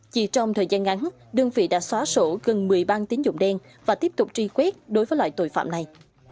chỉ trong thời gian ngắn đơn vị đã xóa sổ gần một mươi bang tín dụng đen và tiếp tục truy quét đối với loại tội phạm này